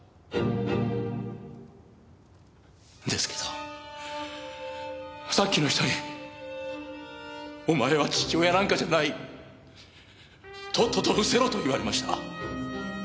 ですけどさっきの人に「お前は父親なんかじゃない」「とっとと失せろ」と言われました。